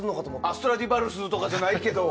ストラディバリウスとかじゃないけど。